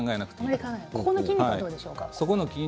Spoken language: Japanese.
ほおの筋肉はどうでしょうか？